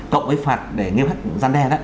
cộng với phạt để nghiêm khắc gian đen